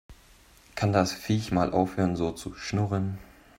Kann das Viech mal aufhören so zu schnurren?